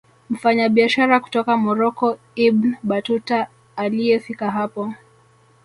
Mfanyabiashara kutoka Morocco Ibn Batuta aliyefika hapo